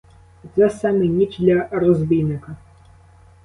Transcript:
Оце саме й ніч для розбійника.